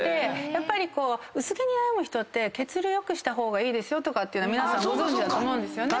やっぱり薄毛に悩む人って血流良くした方がいいとかって皆さんご存じだと思うんですよね。